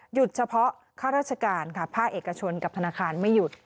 เฉพาะข้าราชการค่ะภาคเอกชนกับธนาคารไม่หยุด